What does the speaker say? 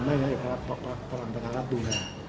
ไม่ใช่ภักด์พลังประชารัฐดูแล